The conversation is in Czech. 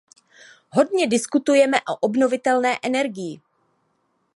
Hodně diskutujeme o obnovitelné energii.